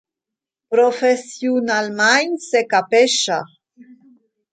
Professiunalmein secapescha.